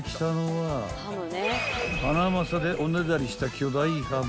［ハナマサでおねだりした巨大ハム］